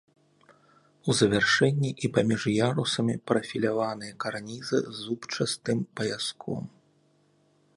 У завяршэнні і паміж ярусамі прафіляваныя карнізы з зубчастым паяском.